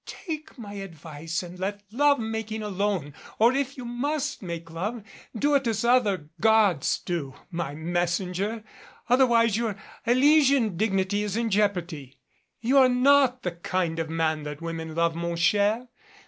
"Take my advice and let love making alone, or if you must make love, do it as other gods do by messenger. Otherwise your Elysian dignity is in jeopardy. You are 84 OUT OF HIS DEPTH not the kind of man that women love, mon cher.